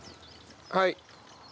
はい。